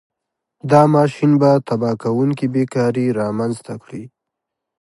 دا ماشین به تباه کوونکې بېکاري رامنځته کړي.